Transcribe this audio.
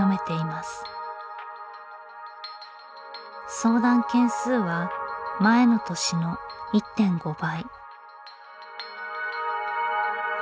相談件数は前の年の１．５倍。